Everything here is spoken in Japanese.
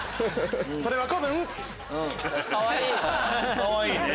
かわいい。